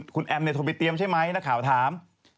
คุณแอมโทรไปเตรียมใช่ไหมนักข่าวถาม